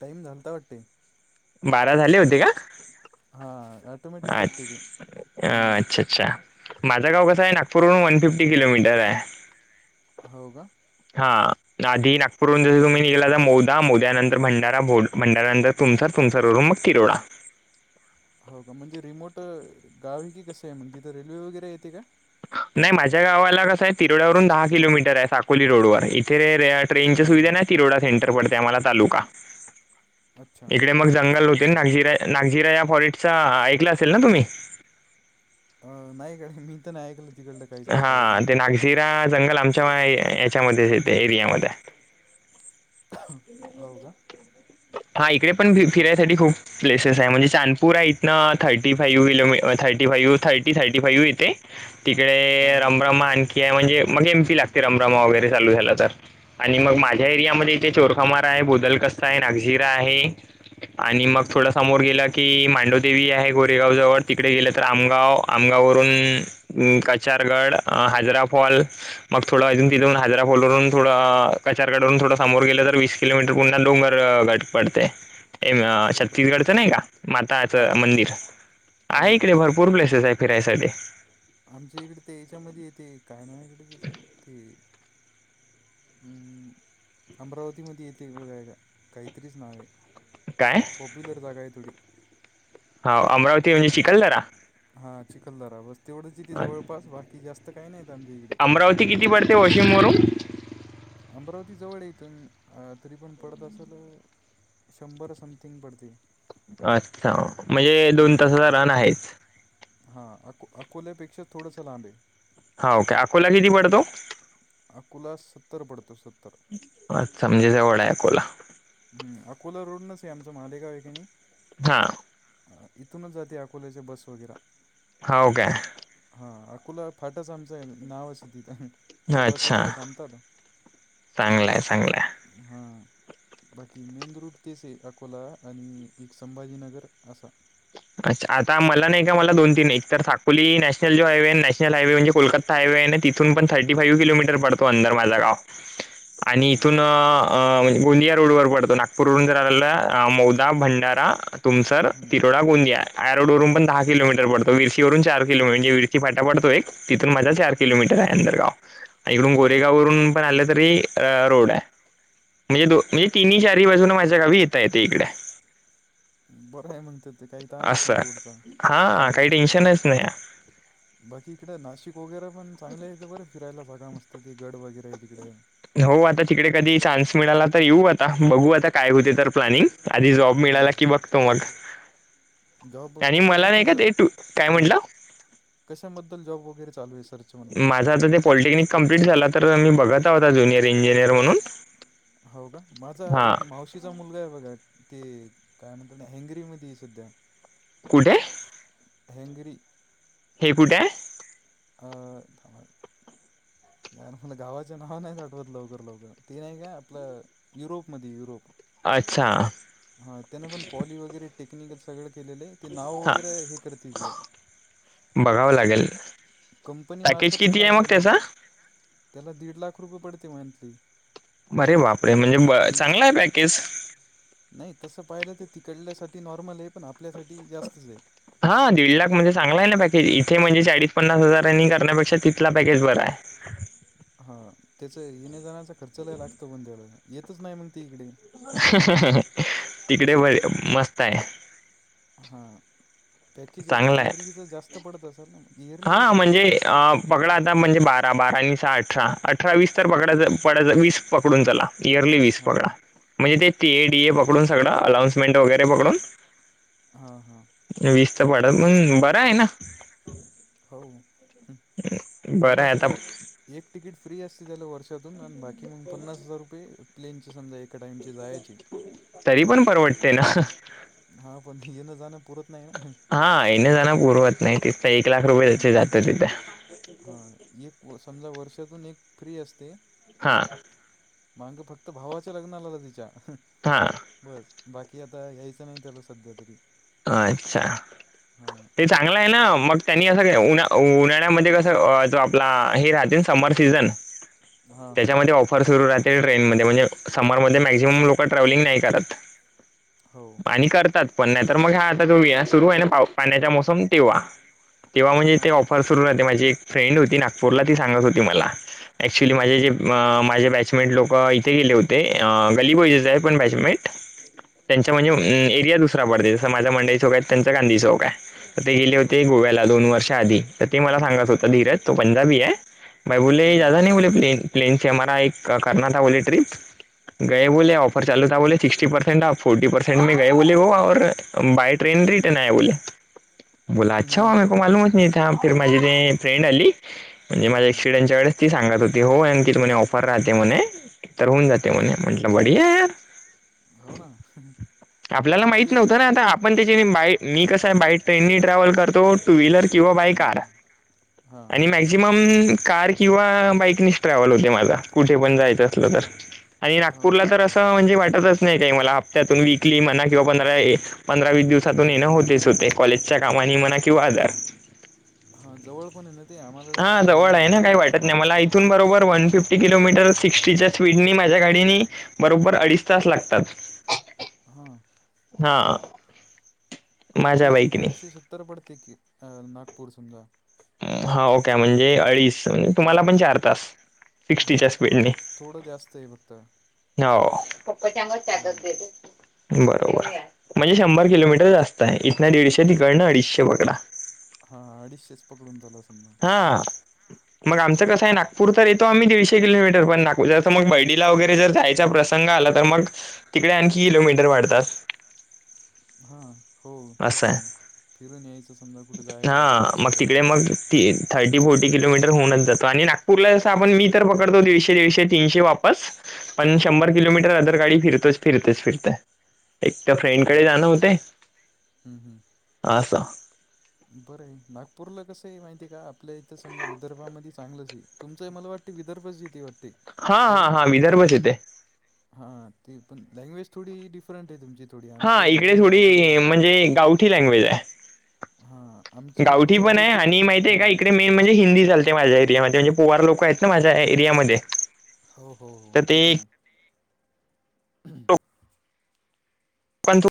Time झालाता वाटतेय बारा झाले होते का? हा [unintelligible] अच्छ 'अच्छा -अच्छा माझं गाव कसे आहे नागपूरहून वन फिफ्टी किलोमीटर आहे हो का! हा, आधी नागपूरहून जर तुम्ही निघला तर मोदा मोद्या नंतर भंडारा भंडाऱ्यानंतर तुमचं तुमचं फिरून मग तिरोडा. हो का म्हणजे रिमोट, गाव ये की कसं आहे मगं तिथं रेल्वे वगैरे येते का? नाही माझ्या गावाला कसं आहे तिरोड्यावरून दहा किलोमीटर आहे साकोली रोडवर. ते रे ट्रेनच्या हां सुविधा हां ना तिरोडा सेंटर पडते आम्हाला तालुका. अच्छा इकडे मग जंगल होते नागजीरा नागजीरा या फॉरेस्टचा ऐकलं असेल ना तुम्ही? अ नाही गड्या मी तर नाही ऐकलं. तिकडलं काहीच हा आत्तापर्यंत ते नागझिरा जंगल आमच्या ह्याच्यामध्येच येतंय एरियामध्ये. हो का हा इकडे पण हम्म, हम्म. फिरायसाठी खूप प्लेसेस आहे म्हणजे शाणपूर आहेत इथनं थर्टी फाईव्हिलो thirty five thirty thirty five येथे. हां तिकडे हां रमरम आणखी म्हणजे मग एमपी लागते रमरम वगैरे चालू झालं तर, आणि मग माझ्या एरियामध्ये ते चोरखोमार आहे, बोदल कस्ता आहे, नागझीरा आहे, आणि मग थोडा हम्म. समोर गेला ती मांडूदेवी आहे गोरेगावजवळ तिकडे गेलं तर आमगाव आमगाववरून अ- कचारगड, अ -हैदराफॉल मग थोडा अजून तिथून हैदराफॉलवरून थोडं कचारगढा वरून थोडं समोर गेलं तर वीस किलोमीटर पुन्हा डोंगर गाट पडतेय. अ बापरे छत्तीसगडचं नाही का, माताच हां हां हो मंदिर हो आहे ना हो इकडे ना भरपू पूर्ण प्लेसेस आहे फिरायसाठी. आमच्या इकडे ते याच्यामध्ये येते काय नाव ये ग त्याचं ते हम्म, अमरावतीमध्ये येते बघायला काहीतरीच नाव आहे. काय? पॉप्युलर जागा आहे थोडी. हा अमरावती म्हणजे चिखलदरा. हा चिखलदरा बस तेवढंचय ती अच्छा. जवळपास बाकी जास्त काही नाही आमच्या इकडे. अमरावती किती पडते वाशिमवरून? अमरावती जवळय येथून तरी पण पडतं असल शंभर समथिंग पडते. अच्छा! म्हणजे दोन हम्म तासाचा रन आहेच. हा अको अकोल्यापेक्षा थोडंस लांबे. हा ओके अकोला किती पडतो? अकोला सत्तर पडतो सत्तर अच्छा! म्हणजे जवळ आहे अकोला. हम् अकोला रोडनचय आमचं म्हादेगाव येकीनी हा इथूनच जाते अकोल्याच्या बस वगैरा. हवं काय? हा अकोला फाटाच आमचा ये नावाचं ये तिथं. तिथं बस अच्छा वगैरे थांबतात का? चांगलाय चांगलाय [unintelligible] बाकी मेन रूट तेचय अकोला आणि एक संभाजीनगर असा अच्छा! आता मला नाही का मला दोन तीन एक तर साकोली नॅशनल जो हायवे नॅशनल हायवे म्हणजे कोलकाता हायवे आहे ना तिथून पण थर्टी फाइव किलोमीटर पडतो अंदर माझं गाव. [unintelligible] आणि इथून अ, गोंदिया रोडवर पडतो नागपूर वरून जर आलेला भंडारा, तुमसर, हम्म तिरोड य आरडवरून पण दहा किलोमीटर पडतो विरशीवरून चार किलो म्हणजे विरशी फाटा पडो एक तिथून माझं चार किलोमीटर आहे अंदरगाव. आता इकडून हां गोरेगाव वरून पण आलं तरी अ रोड आहे. मेन रो तिन्ही चारी बाजून माझ्या गावी येता येते इकडे. बरं आहे मग ते ते काही ताणच असं नाही रोडचा हा, हा काही टेंशनच नाही. बाकी इकडं नाशिक वगैरे पण चांगले आहे बरं, फिरायला जागा मस्त गड वगैरे आहे तिकड. हो आता तिकडे कधी चान्स मिळाला तर येऊ आता बघू आता काय होते तर प्लॅनिंग. आधी जॉब मिळाला हां की बघतो मग. जॉब आणि मला नाही कशाबद्दल का जॉ ते तू काय हां म्हटलं? कशाबद्दल जॉब वगैरे चालु आहे सर. माझा आता ते पॉलिटेक्निक कंप्लीट झाला तर मी बघत आहोत ज्युनियर इंजिनियर म्हणून. हो का माझा हा एक मावशी तिचा मुलगा आहे बघा ते काय म्हणतात ना हंगरी मध्ये सुधा कुठे? हॅगरी. हे कुठे आहे? अ... [unintelligible] यार मला गावाचे नाव नाही आठवत लवकर लवकर ती नाही का आपलं युरोपमध्ये युरोप. अच्छा! हा त्यांना पण पॉली वगैरे टेक्निकल सगळे केलेले ते नाव हा वगैरे हे करते ते बघावं लागेल बघावे लागेल, कंपनी पॅकेज मार्फतच किती मग लागलेलं आहे त्याचा ते. त्याला दीड लाख रुपये पडते मंथली. बरे बापरे समजा म्हणजे इन चांगला आहे पॅकेज. नाही तसं पाहिलं तर तिकडल्यासाठी नॉर्मल आहे, पण आपल्यासाठी जास्तच आहे. हा दीड लाख म्हणजे चांगला आहे ना पॅकेज, इथे म्हणजे चाळीस पन्नास हजारांनी करण्यापेक्षा तिथला पॅकेज बरा आहे. हा त्याच येणे जाण्याचा खर्चला लय लागतो बंद्याला येतच नाही मग ती इकडे. तिकडे बर मस्त आहे. हां पॅकेज चांगला आहे. इयरलीचा जास्त पडत असेल ना मग. हा म्हणजे अ पकडा आता म्हणजे बारा बारा आणि सहा अठरा अठरावीस तर पकडाचं पडायचा वीस पकडून चला इयरली वीस हां पकडा. म्हणजे ते टीएडीए पकडून सगळं अलाऊन्समेंट वगैरे पकडून हां हां. वीसचा पडा पण बर आहे ना. हो बरं आहे पन्नास आता हजार एक तिकीट फ्री असते त्याला वर्ष त्यातून बाकी मग पन्नास हजार रुपये प्लेन चे समजा एका टाईमची जायचे, पण तरी परवडते पण ना. परवडते ना. हा पण येणं जाणं पुरत नाही ना. हा येणे जाण पुरवत नाही तिथं. एक लाख रुपये त्याचे जातं तिथे. हां एक व समजा वर्षातून एक फ्री असते हा ते मांग फक्त भावाच्या लग्ना आला तिच्या. हा. बस बाकी आता यायचं नाही त्याला सध्या तरी. अच्छा! हां ते चांगलं आहे ना मग त्यांनी असं उन उन्हाळ्यामध्ये कस तो आपला हे राहते समर सीझन हां हां त्याच्यामध्ये ऑफर सुरु राहते ट्रेन मध्ये म्हणजे समर मध्ये मॅक्झिमम लोक ट्रॅव्हलिंग नाही करत. हो आणि करतात पण नाही तर मग हा आता जो सुरू आहे ना पाण्याच्या मोसम तेव्हा. तेव्हा म्हणजे हां ते पण ऑफर सुरू राहते माझी एक फ्रेंड होती नागपूरला ती सांगत होती मला. ऍक्च्युली माझे जे हां माझे बॅच बॅचमेंट लोक इथे गेले होते. गली बॉईज आहे पण बॅचमेट त्यांच्या म्हणजे हम्म, हम्म. एरिया दुसरा पडते जस माझा मंडई चौक आहे त्यांच गांधी चौक आहे. तर ते गेले हो होते का गोव्या दोन वर्ष आधी तर ते मला सांगत होत धीरज तो पंजाबी आहे बा बोलले हम्म. दादा नाही बोले फिर. प्लेनचे हमारा एक करणा था बोले ट्रिप गय बोले ऑफर चालू बोले सिक्स्टी परसेंट फोर्टी परसेंटे मे गये बोले ओ और बाय ट्रेन रिटर्न आये बोले, बोला अच्छा मग हुआ मरेको तर मालूमच नही था. तर माझी ते फ्रेंड आली म्हणजे माझ्या हां एक्सिडेंटच्या वेळेस ती सांगत होती. ते हो कि म्हणे ऑफर राहते म्हणे तर होऊन जाते म्हणे म्हटलं बढिया हे. हो ना प् ते तर आता आपण त्याच्या बाय मी कसं आहे बाय ट्रेननी ट्रॅव्हल करतो टू व्हीलर किंवा बाय कार. हा. आणि मॅक्झिमम कार किंवा बाईकनी ट्रॅव्हल होते माझा कुठे पण जायचं असलं तर. आणि हो नागपूरला का तर असं म्हणजे वाटतच नाही काही मला हप्त्यातून वीकली म्हना किंवा पंधरा. पंधरा वीस दिवसातून येणं होतेच होते कॉलेजच्या कामानी म्हणा किंवा आजार. हा जवळ कोण आहे ना ते आम्हाला हा जवळ आहे दोनशे ना काही वाटत नाही मला ऐथून बरोबर वन फिफ्टी किलोमीटर सिक्स्टीच्या स्पीडनी माझ्या गाडीनी. बरोबर अडीच तास लागतात. हा. हा आमच्या माझ्या इथे बाईकनी दोनशे सत्तर पडते की अ नागपूर समजा. हा ओ के म्हणजे अडीच तुम्हाला पण चार तास सिक्स्टीच्या हां थोडं स्पीडनी. थोडं जास्त आहे बघतं हो, बरोबर. म्हणजे शंभर किलोमीटर जास्त आहे इथंन दीडशे तिकडणं अडीचशे बकडा. हा अडीशेच पकडून झाला समजा. हा. हा. मग आमचं कसं आहे नागपूर येतो आम्ही दीडशे किलोमीटर पण नापूर जसं म बडीला वैर जर जायचा प्रश संघ आला तर मग तिकडे आणखी किलोमीटर वाढतात. हा हो ते पण आहे, फिरून यायचं समजा कुठे जायचं गावाला हा मग दुसऱ्या तिकडे बाजूला. मग थर्टी फोर्टी किलोमीटर होनच जातो, आणि नागपूरला जातो आपण मी तर पकडतो दीडशे दीशे तीनशे वापस. पण शंभर किलोमीटर अदर गाडी फिरतोच फिरतेच फिरते. एक त्या फ्रेंडकडे जाणं होते. हम् हम्. आसा बरं आहे, नागपूरला कसं आहे माहितीय का आपल्या इथं समजा विदर्भामध्ये चांगलंच आहे. तुमचं मला वाटं विर्भच येते वाटते. हा आहे की हा नाही हा विदर्भच येते. हां ती पण लँग्वेज थोडी डिफरंट आहे तुमची थोडी, हा आमच्या इकडे थोडी अलग आहे. म्हणजे गावठी लँग्वेज आहे, हां आमची गावठी थोडी पण अरे तू आणि माहितीय का हां इकडे मेन म्हणजे हिंदी चालते माझ्या एरियामध्ये म्हणजे पोवार लोक आहेत ना माझ्या एरियामध्ये. हो हो हो ते पण आहे. पण थु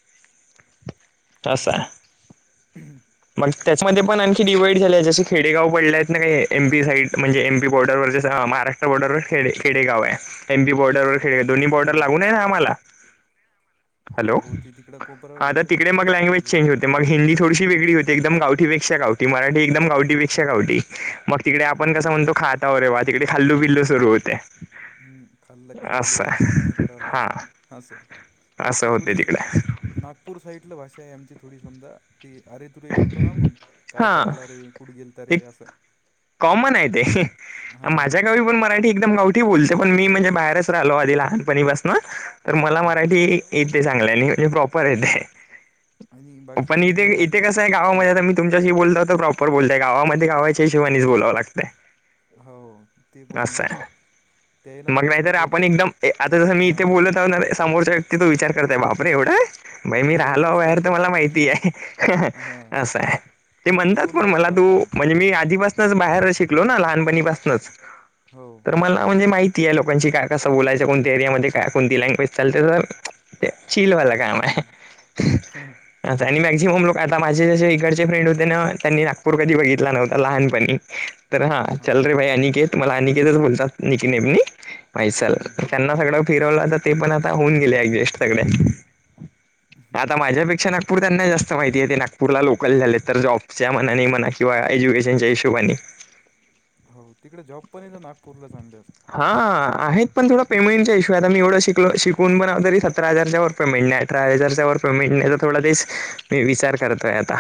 [inaudible] त अस हा. का मग त्याच्यामध्ये पण आणखी डिवाइड झाले आहे, जसे खेडेगाव पडले आहेत ना, काही एमपी साईड म्हणजे एमपी बॉर्डरवर हा महाराष्ट्र बॉर्डरवर खेडे खेडेगाव हाय, एम बि बॉर्डरवर खेडे दोन्ही बॉर्डर हां लागून आहे हा आम्हाला हो हॅलो हो ते तिकडं हा कोपऱ्यावर आता येतं तिकडे मग लँग्वेज ना चेंज होते. मग हिंदी थोडीशी वेगळी होती, एकदम गावठीपेक्षा गावठी, मराठी एकदम गावठीपेक्षा गावटी म तिकडे हा आपण कसं म्हणतो, खातावर रेवा तिकडे खाल्लू बिल्लू सुरू होतय. हम् खाल्ल खाल्ले काय करायला? हा आसं असं आमची थोडी होते तिकडे नागपूर साईडला भाषा आहे आमची थोडी समजा ती अरे तुरे करतो ना, आपण काय हा करायला? रे कुठे गेलता ते रे असं. कॉमन आहे ते [unintelligible] हां माझ्या हां गावी पण मराठी एकदम गावठी बोलते, पण मी म्हणजे बाहेरच राहिलो आधी लहानपणीपासन तर मला हां मराठी येते चांगल्याने म्हणजे प्रॉपर हाय ते. आणि बाकी निना आणि कस आहे गावामध्ये आ मी तुमच्याशी बोलतो तर, प्रॉपर बोलतोय, गावामध्ये गावाच्या हिशेबानीच बोलावं लागतय. हो ते पण हे. मग नाहीतर आपण एकदम आता जसं मी इथे हां बोलत आहो ना समोरच्या. किती तो विचार करताय बापरे, एवढं म मी एवढं राहिलो बाहेर तर मला स्टँडर्ड माहिती हाय. हां आस हाय. ते मी तेच म्हणतात पण बोलणार मला होतो तू, आता म्हणजे मी आधीपासनच बाहेर शिकलो ना लहानपणीपासनच हो तर मला म्हणजे माहित ती या लोकांशी काय कस बोलायच, कोणत्या एरियामध्ये काय कोणती लँग्वेज चालते तर ते चिलवालं काम हाय हम्म, आस आणि मॅक्झिमम लोक आता माझे जे इकडचे फ्रेंड होते ना, त्यांनी नागपूर कधी बघितला नव्हता लहानपणी तर हा हां चल रे भाई अनिकेत, मला अनिकेतच बोलतात निकी नेमनी म्हैसल हम्म, त्यांना सगळं फिरवलं तर, ते पण आता होऊन गेले ऍडजस्ट सगळे आता माझ्यापेक्षा नागपूर त्यांना जास्त माहित. ते ते नागपूरला लोकल झाले, तर जॉबच्या मनाने म्हणा किंवा एज्युकेशनच्या हिशोबाने होव तिकडे जॉब पण येत नागपूरला चांगलं असत्यात. हा आहेत पण थोडं पेमेंटच्या इशू आहेत, आम्ही एवढं शिकलो शिकून पण तरी सतरा हजारच्या वर पेमेंट नाही अठरा हजारच्या वर पेमेंट नाही, थोडा तेच मी विचार करतोय आता.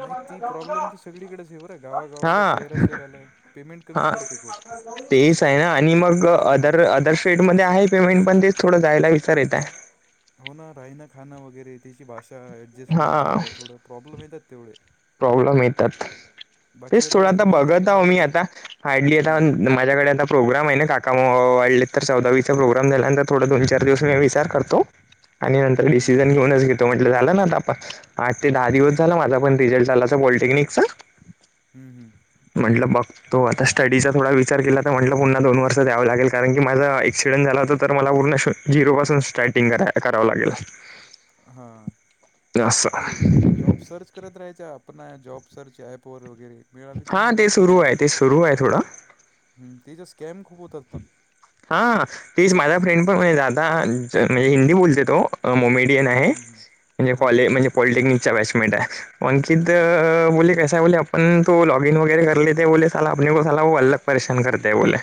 नाही ती प्रॉब्लेम तर सगळीकडेच आहे बरं, गावागावाला, हा शहरा शहराला, पेमेंट कमी हा पडते खूप तेच आहे ना आणि मग अदर हां अदर स्टेट मध्ये आहे पेमेंट, पण तेच थोडं जायला विचार येत हाय. हो ना राहिन खाणं, वगैरे त्याची भाषा ऍडजस्ट होणं, हा आपल्याला थोडं प्रॉब्लेम येतात तेवढे प्रॉब्लेम येतात. बाकी तेच आता थोडं आ बघत इंजिनिअरिंग आहो मी वगैरे आता हार्डली आता हां अन् मॅ माझ्याकडे आता प्रोग्राम आहे ना, काका वारलेत तर चौदावीचा प्रोग्राम झाल्यानंतर, थोडं दोन चार दिवसान मी विचार करतो. आणि नंतर हं, हं. डिसिजन घेऊनच घेतो म्हटलं, झालं ना आता पण आठ ते दहा दिवस हो झाला माझा पण रिझल्ट झाला आता पॉलिटेक्निकचा हुं हुं. म्हटलं मग. तो आता स्टडीचा थोडा विचार केला तर म्हटलं, पुन्हा दोन वर्ष द्यावं लागेल, कारण की माझा एक्सिडेंट झाला होता तर मला पूर्ण असं झिरो पासून स्टार्टिंग क करावं लागेल. हा असं ते जॉब सर्च करत राहायच्या, आपण जॉब सर्च ॲपवर वगैरे मिळाली तर हा ते मिळाली सुरू चांगली आहे ते नोकरी, सुरू आहे थोडं हम् त्याज स्कॅम खूप होतात पण हा तीच माझा फ्रेंड पण म्हणे, दादा म्हणजे हिंदी बोलते तो अ मोमेडियन हाय. हं, हं. म्हणजे हां, कॉले हां. म्हणजे पॉलिटेक्निक चा बॅचमेट हाय, अंकित अच्छा. बोले कस आहे बोले आप पण तो लॉग इन वगैरे करलेते बोले, साला आपने को साला अलग परेशान करते है बोल्या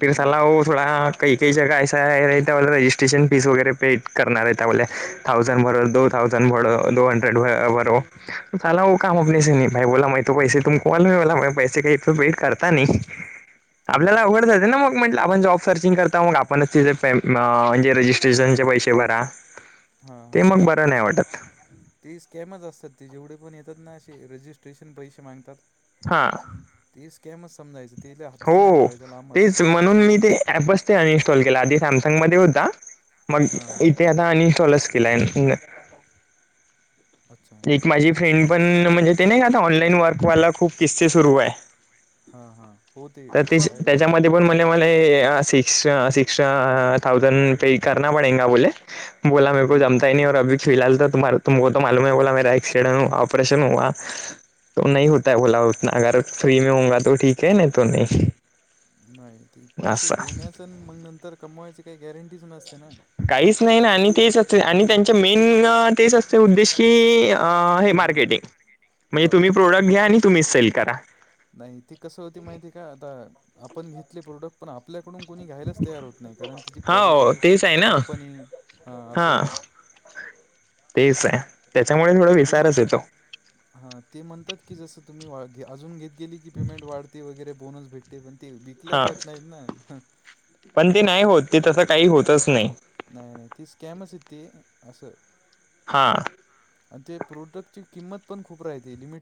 फिर साला ओ थोडा काही काही जगा असा आहे त्याला रजिस्ट्रेशन फीस वगैरे पे करणार आहे त्या बोल्या. थाउजंड भर दो थाउजंड भर दो हंड्रेड भरो साला हो काम आपनेसी नहीं हो पाया, बोला म तो पैसे तुम कॉल म बोला पैसे काहीथ वेट करता नाही. [unintelligible] आपल्याला अवघड जाते ना मग. म्हटलं आपण जॉब सर्चिंग करता मग. आपणच तेजे पेम म्हणजे रजिस्ट्रेशनचे पैसे भरा. हा ते हा मग बरं नाही वाटत. ते स्कॅमच असतात. ते जेवढे पण येतात ना, असे रजिस्ट्रेशन पैसे मागतात. हा. ती स्कॅमच समजायच. तिला हातच नाही लावायचं लामच. ऍपच ते अनइन्स्टॉल केला. आधी सॅमसंग मध्ये होता. मग हा हा इथे अनयुनस्टॉलच केलाय. अन् [unintelligible] अच्छा. माझी फ्रेंड पण, म्हणजे ते नाही आता, ऑनलाईन वर्कवाला खूप किस्से सुरूय. हा, हा. हो, ते काय? ती पण म्हने मला सिक्स -सिक्स थाउजंड पे करना पडेंगा बोले. [unintelligible] बोला मेरे को हम्म जमता ही नही, और अभी फिलहाल तुम तुम्हारे को तो मालूम हैं बोला मैं राई फिर ऑपरेशन हुवा तो नही होताय बोला उसने, अगर फ्री मे होऊगा ते ठीकय नही तो नही. नाही. ते पैसे देण्याच न मग नंतर कमवायचे. काही गॅरंटीच नस काहीच नाही ना. आणि तेच असते आणि हम्म त्यांच्या मेन तेच असते उद्देश. की हे अ हा मार्केटिंग. म्हणजे बस तुम्ही प्रोडक्ट घ्या आणि तुम्हीच सेल करा. नाही ती कसं होती माहिती काआता आपण घेतली प्रोडक्ट पण आपल्याकडून कोणी घ्यायलाच तयार होत नाही. कारण तिची हो क्वालिटी तेच आहे कंपनी हा, असं होते. तेचय. त्याच्यामुळे थोडा विसारच येतो. हा ते म्हणतात की, जसं तुम्ही वा अजून घेत गेली की, पेमेंट वाढते वगैरे बोनस भेट ते पण ते विकल्या हा जात नाहीत ना. हं. पण ते नाही होत [unintelligible] ते तसं काही होतच नाही नाही - नाही ती स्कॅमचय ती. असं हां. आणि ते प्रोडक्टची किंमत पण खूप राहते. लिमिट